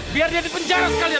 biar dia di penjara sekalian